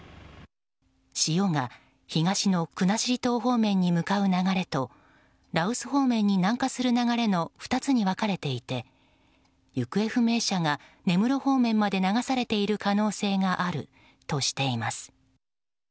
潮が東の国後島方面に向かう流れと羅臼方面に南下する流れの２つに分かれていて行方不明者が根室方面まで流されている可能性があるとしています。